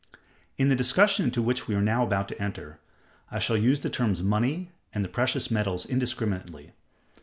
In the discussion into which we are now about to enter, I shall use the terms money and the precious metals indiscriminately.